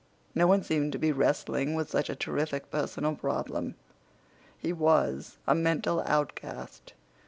No one seemed to be wrestling with such a terrific personal problem. He was a mental outcast.